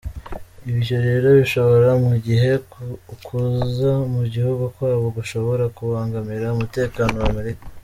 Ivyo rero bishoboka mu gihe ukuza mu gihugu kwabo gushobora kubangamira umutekano wa Amerika.